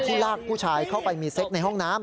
ลากผู้ชายเข้าไปมีเซ็กในห้องน้ำ